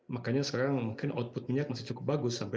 makanya sekarang mungkin output minyak masih cukup bagus